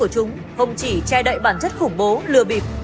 mục đích của chúng không chỉ che đậy bản chất khủng bố lừa bịp